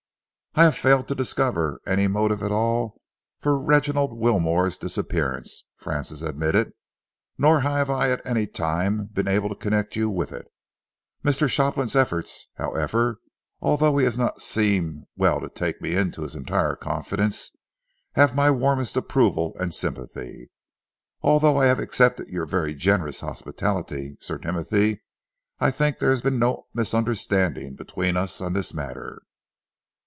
"I have failed to discover any motive at all for Reginald Wilmore's disappearance," Francis admitted, "nor have I at any time been able to connect you with it. Mr. Shopland's efforts, however, although he has not seen well to take me into his entire confidence, have my warmest approval and sympathy. Although I have accepted your very generous hospitality, Sir Timothy, I think there has been no misunderstanding between us on this matter."